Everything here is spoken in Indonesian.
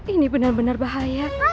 ini bener bener bahaya